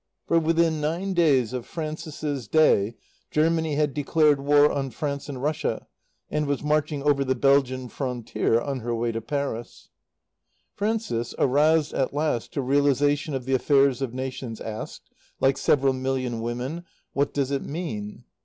For within nine days of Frances's Day Germany had declared war on France and Russia, and was marching over the Belgian frontier on her way to Paris. Frances, aroused at last to realization of the affairs of nations, asked, like several million women, "What does it mean?"